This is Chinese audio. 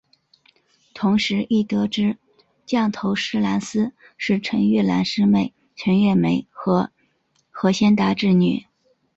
同时亦得知降头师蓝丝是陈月兰妹妹陈月梅和何先达之女。